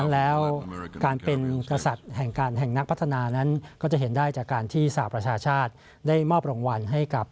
ไตรสัตย์ทิ้งความยุ่งและทรงคุมของราชาต้องจงหลัง